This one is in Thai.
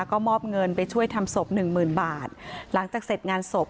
ก็มอบเงินไปช่วยทำศพหนึ่งหมื่นบาทหลังจากเสร็จงานศพ